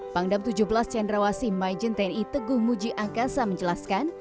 pangdam tujuh belas cendrawasi majen tni teguh muji angkasa menjelaskan